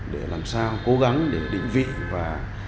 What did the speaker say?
để làm sao cố gắng để định vị và